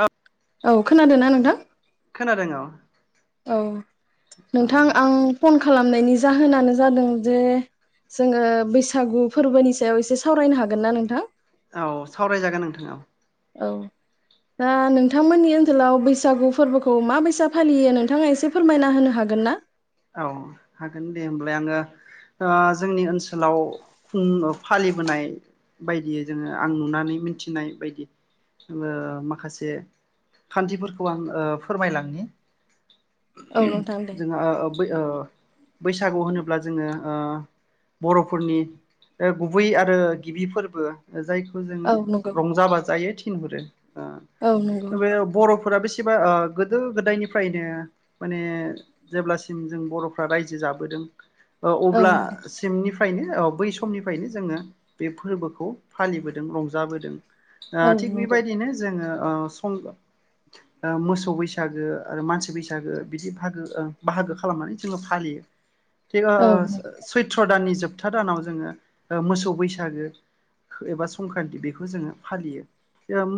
औ औ खोनादों ना नोंथां? खोनादों औ औ औ नोंथां आं फन खालामनायनि जाहोनानो जादों जे जोङो बैसागु फोरबोनि सायाव एसे सावरायनो हागोन ना नोंथां? औ सावरायजागोन नोंथां औ। औ दा नोंथांमोननि ओनसोलाव बैसागु फोरबोखौ मा बायसा फालियो नोंथाङा एसे फोरमायना होनो हागोन ना? औ हागोन दे होमबालाय आङो ओ जोंनि ओनसोला खुं फालिबोनाय बायदियै जोङो आं नुनानै मिथिनाय बायदि ओ माखासे खान्थिफोरखौ आं फोरमायलांनि। औ नोंथां दे जोंहा ओ ओ बैसागु होनोब्ला जोङो ओ बर'फोरनि गुबै आरो गिबि फोरबो। जायखौ जोङो औ नंगौ रंजा बाजायै थिनहरो। औ नंगौ ओ बे बर'फोरा सिबो ओ गोदो गोदायनिफ्रायनो माने जेब्ला सिम जों बर'फ्रा रायजो जाबोदों ओ औ अब्ला सिमनिफ्र फ्रायनो औ बै समनिफ्रायनो जोङो बे फोरबोखौ फालिबोदों रंजाबोदों। ओ औ थिग नंगौ बेबायदिनो जोङो ओ सम ओ मोसौ बैसागो आरो मानसि बैसागो बिदि भागो ओ बाहागो खालामनानै जोङो फालियो। औ नंगौ [unintelligible] सैत्र दाननि जोबथा दानाव जोङो मोसौ बैसागो एबा संक्रान्ति बेखौ जोङो फालियो।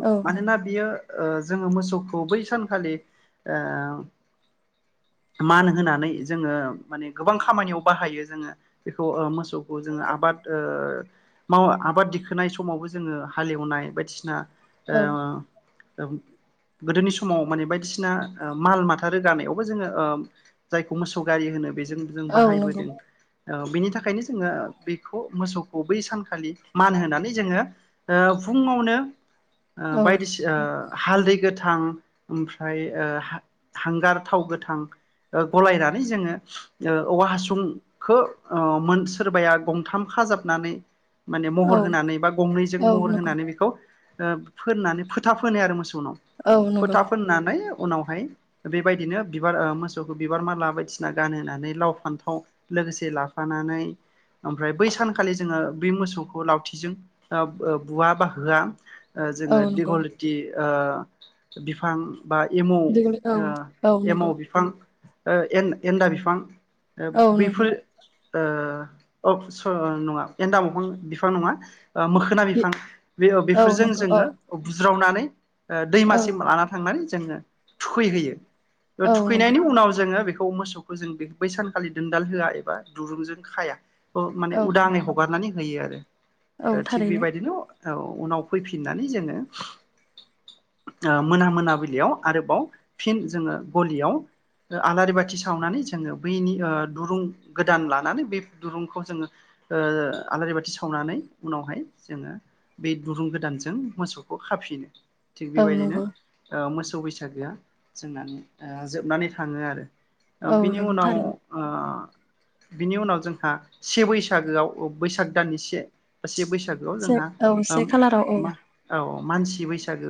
औ मानोना बियो ओ जोङो मोसौखौ बै सानखालिओ मान होना नै जोङो माने गोबां खामानिआव बाहायो जोङो बेखौ ओ मोसौखौ जोङो आबाद ओ माव आबाद दिखोनाय समावबो जोङो हालेवनाय बायदिसिना ओ गोदोनि समाव माने बायदिसिना ओ माल माथा रोगानायावबो जोङो ओ जायखौ मोसौ गारि होनो बेज जों औ नंगौ बाहायबोदों बेनि थाखायनो जों। जों बेखौ मोसौखौ बै सानखालि मान होनानै जोङो फुङावनो औ बायदिसिना हालदै गोथां ओमफ्राय हांगार थाव गोथां गलायनानै जोङो औवा हासुंखौ सोरबाया गंथाम खाजाबनानै माने औ महर होनानै बा गंनैजों औ महर नंगौ होनानै बेखौ फोरोननानै फोथा फोनी आरो मोसौ औ नंगौ औ नंगौ फोथा फोननानै उनावहाय बेबायदिनो बिबार आरो। मोसौखौ बिबार माला बायदिसिना गानहोनानै लाव फान्थाव लोगोसे लाफानानै ओमफ्राय बै सानखालि जोङो बे मोसौखौ लावथिजों बुवा बा होआ औ जोङो नंगौ दघलटि ओ बिफां बा एमाव औ एमाव नंगौ बिफां ओए एन्द-एन्दा बिफां। ओ औ बैफोर। ओ ओबसो नङा एनन्दामफां बिफां नङा। मोखोना बिफां बे बेफोरजों नंगौ औ जोङो बुज्रावनानै। ओ औ दैमासिम लाना थांनानै जोङो थुखैहोयो। औ नंगौ थुखैनायनि उनाव जोङो बेखौ मोसौखौ जों बै सानखालि दोनदाल होआ एबा दुरुंजों खाया। आं माने औ उदाङै हगारनानै होयो आरो। औ थिग थारैनो बेबायदिनो ओ उनाव फैफिननानै जोङो मोना मोनाबिलियाव आरोबाव फिन जोङो गलियाव आलारि बाथि सावनानै जोङो बैनि दुरुं गोदान लानानै बे दुरुंखौ जोङो आलारि बाथि सावनानै उनावहाय जोङो बे दुरुं गोदानजों मोसौखौ खाफिनो। थिग औ बेबायदिनो नंगौ ओ मोसौ बैसागोया जोंना ओ जोबनानै थ थाङो आरो। औ बिनि नंगौ उनाव थारैनो ओ बिनि उनाव जोंहा से बैसागोआव बैसाग दाननि से बा से बैसाग बैसागोआव से जोंहा औ से ओं खालाराव औ मा औ मानसि बैसागो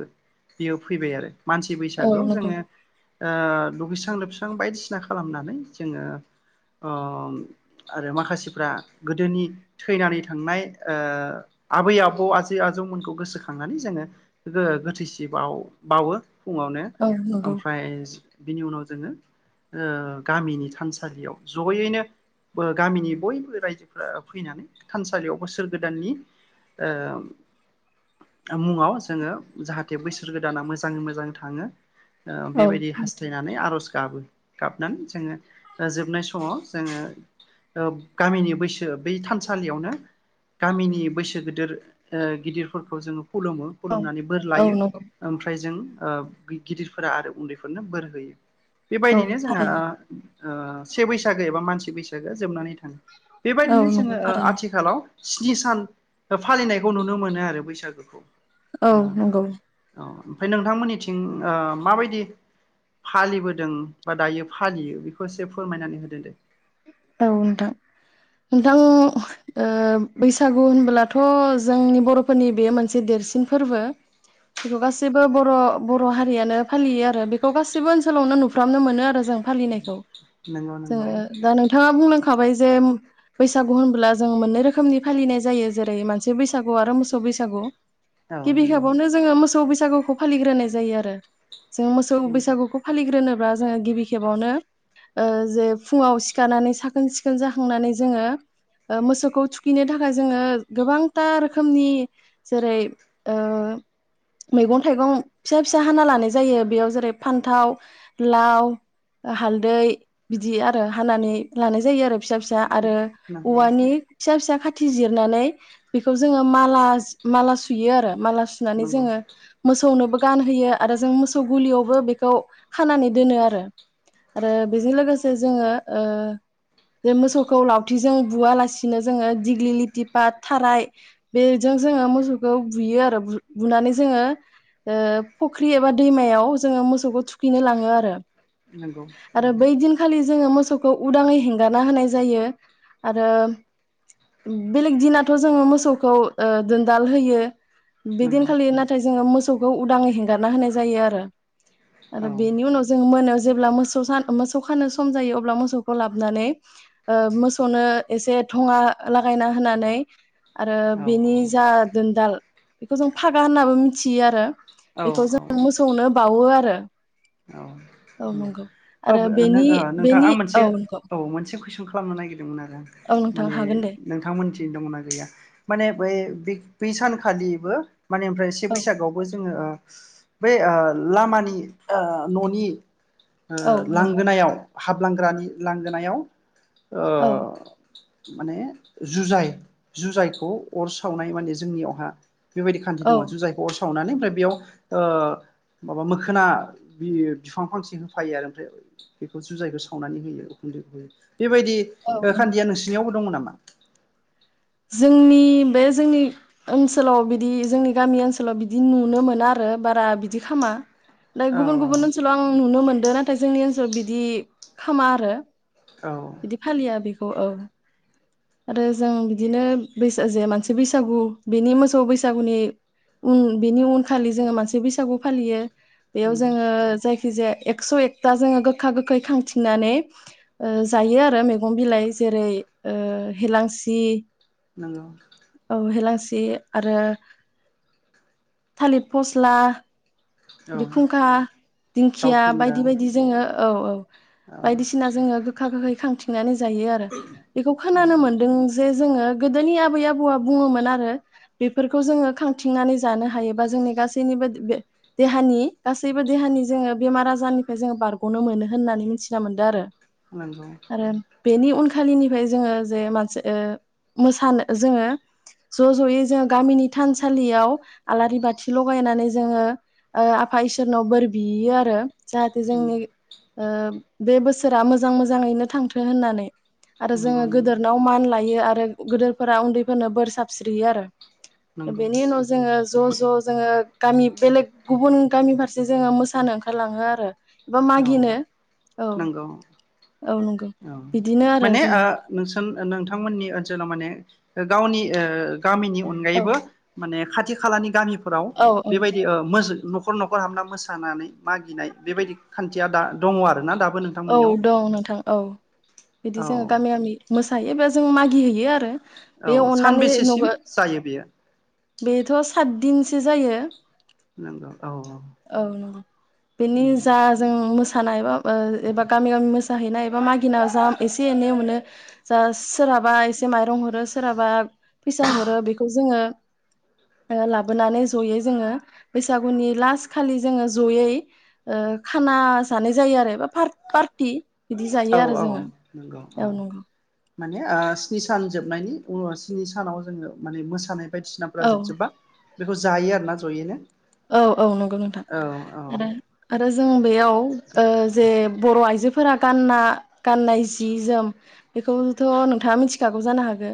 बियो फैबाय आरो। मानसि औ बैसागुआव नंगौ जोङो ओ लुगैसो फस्रां लोबस्रां बायदिसिना खालामनानै जोङो ओ आरो माखासेफ्रा गोदोनि थैनानै थांनाय ओ आबै-आबौ आजै आजौमोनखौ गोसोखांनानै जोङो गोथैसि बाव बावो। फुङावनो औ नंगौ ओमफ्राय बिनि उनाव जोङो ओ गामिनि थानसालियाव जयैनो ओ गामिनि बयबो रायजोफोरा फैनानै थानसालियाव बोसोर गोदाननि ओ मुङाव जोङो जाहाथे बोसोर गोदाना मोजाङै मोजां थाङो ओ औ बेबायदि हास्थायनानै आरज गाबो गाबनानै जोङो जोबनाय समाव जोङो ओ गामिनि बैसो बै थानसालियावनो गामिनि बैसो गोदोर गिदिरफोरखौ जोङो खुलुमो खुलुमनानै बोर औ लायो नंगौ ओमफ्राय जों ओ गिदिरफोरा आरो उन्दैफोरनो बोर होयो। औ बेबायदिनो जोंहा थारैनो ओ से बैसागो एबा मानसे बैसागोआ जोबनानै थाङो। औ बेबायदिनो नंगौ जोङो ओ थारैनो आथिखालाव स्नि सान फालिनायखौ नुनो मोनो आरो बैसागोखौ औ नंगौ [unintelligible] फाय नोंथांमोननिथिं आ माबायदि फालिबोद दों बा दायो फालियो बेखौ एसे फोरमायनानै होदों दे। औ नोंथां नोंथां ओ बैसागु होनबोलाथ' जोंनि बर'फोरनि बेयो मोनसे देरसिन फोरबो बेखौ गासैबो बर'-बर' हारियानो फालियो आरो बेखौ गासैबो ओनसोलावनो नुफ्रामनो मोनो आरो जों फालिनायखौ नंगौ नंगौ जोङो दा नों बुंलांखाबाय जे बैसागु होनब्ला जों मोननै रोखोमनि फालिनाय जायो जेरै मोनसे बैसागु आरो मोसौ बैसागु औ गिबि नंगौ खेबावनो जोङो मोसौ बैस सागुखौ फालिग्रोनाय जायो आरो। जों मोसौ नंगौ बैसागुखौ फालिग्रोनो ब्रा जोङो गिबिखेबावनो ओ जे फुंआव सि गानानै साखोन सिखोन जाखांनानै जोङो मोसौखौ थुखैनो थाखाय जोङो गोबांथा रोखोमनि जेरै ओ मैगं थाइगं फिसा फिसा हाना लानाय जायो बेयाव जेरै फान्थाव लाव हालदै बिदि आरो हानानै लानाय जायो आरो फिसा फिसा आरो नंगौ औवानि फिसा फिसा खाथि जिरनानै बेखौ जोङो माला माला सुयो आरो माला सुनानै नंगौ जोङो मोसौनोबो गानहोयो आरो जों मोसौ गुलियावबो बेखौ खानानै दोनो आरो आरो बेजों लोगोसे जोङो ओ बे मोसौखौ लावथि जों बुयालासिनो जोङो दिग्लि लिथि पाट थाराय बेजों जोङो मोसौखौ बुयो आरो बु-बुनानै जोङो ओ फुख्रि एबा दैमायाव जोङो मोसौखौ थुखैनो लाङो आरो नंगौ आरो औ बै दिनखालि जोङो मोस खौ उदाङै हेंगारना होनाय जायो आरो बेलेग दिनाथ' जोङो मोसौखौ ओ दोनदाल होयो बि नंगौ दिनखालि नाथाय जोङो मो थौखौ उदां हेंगारना होनाय जायो आरो। औ आरो बेनि उनाव जों मोनायाव जेब्ला मोसौ सान मोसौ खानो सम जायो अब्ला मो थौखौ लाबोनानै ओ मोसौनो एसे थङा लागायना होनानै आरो औ बेनि जा दोनदाल बेखौ जों फागा होननाबो मि थियो आरो औ बेखौ औ जों मोसौनो बावो आरो औ नंगौ ओ आरो बेनि नोंथां बेनि आं मोनसे औ नंगौ। औ मोनसे कुइसन खालामनो नायगिर औ [unintelligible] नोंथां माने हागोन दे नोंथांमोनथि दंना गैया माने बै बि बै सानखालिबो माने ओमफ्राय से औ बैसागोआवबो जोंङो। बेै ओ लामानि। ओ ननि। ओ औ नंगौ लांगोनायाव। हाबलांग्रानि लांगोनायाव। औ ओ माने जुजाइ जुजाइखौ अर सावनाय माने जोंनियावहा। बेबायदि खान्थि औ दंङ जुजाइखौ अर। सावनानै बा बेयाव ओ माबा मोखोना। बियो बिफां फांसे होफायो आरो [unintelligible] बेखौ जुजायखौ सावनानै होयो। बेबायदि औ ओ नंगौ खान्दिया नोंसिनियावबो दंमोन नामा? [inaudible] जोंनि बे जोंनि ओनसोलाव बिदि जोंनि गामि ओनसोलाव बिदि नुनो मोना आरो बारा बिदिखामा। नै औ गुबुन गुबुन ओनसोलाव आं नुनो मो दों नाथाय जोंनि ओनसोलाव बिदि खामा आरो। औ बिदि फालिया बि अ औ। आरो जों बिदिनो बैसा जे मानसि बैसागु बेनि मोसौ बैसागुनि उन बेनि उनखालि जोंङो मानसि बैसागु फालियो। बेयाव नंगौ जोंङो जाय [unintelligible] एकस एकथा जोंङो गोखा गोखै खांथिंनानै ओ जायो आरो मैगं बिलाइ जेरै ओ हेेलांसि। नोंगौ। सि आरो थालिर फस्ला। औ बेखुंखा दाउ दिंखिया फेन्दा बायदि बायदि जोङो औ औ। औ बायदिसिना जोङो गोखा गोखै खांथिंनानै जायो आरो बेखौ खोनानो नंगौ मोन जे जोङो गोदोनि आबै आबौआ बुङोमोन आरो बेफोरखौ जोङो खांथिंनानै जानो हायोबा जोंनि गासैनिबो बे देहानि गासैबो देहानि जोङो बेमार आजारनिफ्राय जोङो बारगनो मोनो होननानै मिथिना मोनदों आरो। नोंगौ। आरो बेनि उनखालिनिफ्राय जोंङो जे मान ओ मोसानो जोंङो ज' जयै जोंङो गामिनि थानसालियाव आलारि बाथि लगायनानै जोंङो ओ आफा इसोरनाव बोर बियैयो आरो। जाहाथे जोंनि ओ बे बोसोरा मोजां मोजाङैनो थांथों होननानै। आरो जोङो नंगौ नंगौ गोदोरनाव लायो आरो गोदोरफोरा उन्दैफोरनो बोर साबस्रियो आरो। नंगौ बेनि उनाव जोङो ज' ज' जोङो गामि बेलेक गुबुन गामि फारसे जोङो मोसानो ओंखारलाङो आरो। एबा औ मागिनो औ नोंगौ औ नंगौ औ बिदिनो आरो माने ओ जोङो नोंसोन नों थांमोननि ओनसोलाव माने गावनि ओ गामिनि औ अनगायैबो माने खाथि खालानि गामिफोराव औ औ बेबायदि ओ मोज न' खर न'खर हाबना मोसानानै मागिनाय बेबायदि खान्थिया दा दङ आरो ना दा औ दं नोंथां औ बिदि जोङो औ गामि गामि मोसायो बा जों मागि हैैयो आरो। बे औ अननानै सानबेसेसिम जायो बेयो? बेथ' सातदिनसो जायो। नंगौ औ औ नोंगौ बेनि जा औ जों मोस सानाय बा ओ ओ बा गामि गामि मोसाहैनाय बा मागिनायाव जा एसे एनै मोनो जा सोरहाबा एसे माइरं हरो सोरहाबा फैसा हरो बेखौ जोङो ओ लाबोनानै जयै जोङो बैसागुनि लास खालि जोङो जयै ओ खाना जानाय जायो आरो एबा पार पारथि बिदि औ जायो आरो औ जोङो औ नंगौ। माने ओ स्नि सान जोबनायनि उनाव स्नि सानाव जोङो माने मोसानाय औ बायदिसिनाफ्रा जोबजोबा बेखौ जायो आरोना जयैनो। औ औ नंगौ नोंथां औ औ आरो आरो जों बेयाव ओ जे बर' आइजो फोरा गानना गाननाय जि जोम बेखौथ' नोंथाङा मिथिखागौ जानो हागौ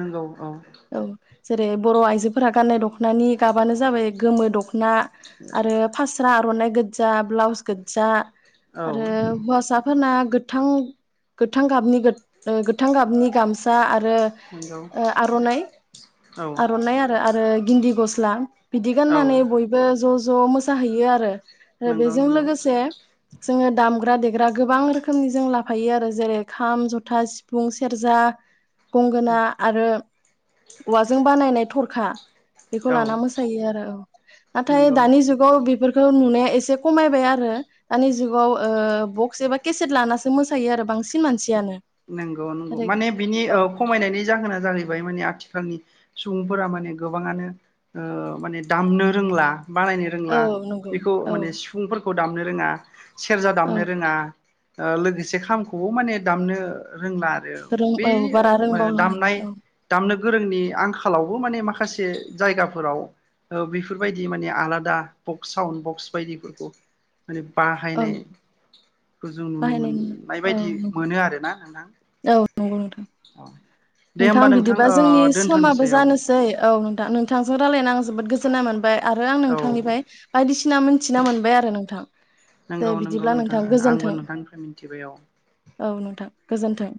नंगौ औ जेरै बर' आइजोफोरा गाननाय दख'नानि गाबानो जाबाय गोमो दख ना आरो फास्रा आर'नाइ गोजा ब्लाउस गोजा औ आरो हौवासाफोरना गोथां गोथां गाबनि गोद ओ गोथां गाबनि गामसा बो नंगौ ओ आर'नाइ औ आर'नाइ आरो गिन्दि गस्ला बिदि औ गाननानै बय ज' ज' मोसाहैयो आरो ओ नंगौ बेजों नंगौ लोगोसे जोङो दामग्रा दे गोबां रोखोमनि जों लाफायो आरो जेरै खाम जथा सिफुं सेरजा गंगोना आरो औवाजों बानायनाय थरखा बेखौ औ लाना मोसायो आरो औ थाय नंगौ दानि जुगाव बेफोरखौ नुनाया एसे खमायबाय आरो दानि जुगाव ओ बक्स एबा केसेट लानानानैसो मोसायो आरो बांसिन मानसियानो नंगौ नंगौ ओरै माने बिनि औ ओ खमायनायनि जाहोना जाहैबाय माने आथिखालनि सुबुंफोरा माने गोबाङानो ओ माने दामनो रोंला बानायनो औ रोंला नंगौ बेखौ औ माने सिफुंफोर खौ दामनो रोङा सेरजा औ दामनो रोङा ओ लोगोसे खामखौबो माने दामनो रोंला आरो रों बे औ बारा रोंबावला दामनाय औ दामनो गोरोंनि आंखालावबो माने माखा माखासे जायगाफोराव ओ बेफोरबायदि माने आलादा बक्स साउन्ड बक्स बायदिफोरखौ माने औ बाहायनायखौ जों नुनो बाहायनाय मोननाय नुनो औ बायदि मोनो आरो ना नोंथां औ नंगौ नोंथां औ दे नोंथां होमबा बिदिबा ओ जोंनि दोनथ'नोसै समाबो औ जानोसै औ नोंथां नोंथांजों रायलायनांगौ आं जोबोद गोजोननाय मोनबाय आरो आं औ नोंथांनिफाय बायदिसि ना मोनथिना मोनबाय आरो नोंथां नंगौ दे नंगौ बिदिब्ला नोंथां गोजोन्थों आंबो नोंथांनिफ्राय मिथिबाय औ औ नोंथां गोजोन्थों